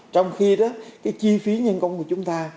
trong khi đó cái chi phí nhân công của chúng ta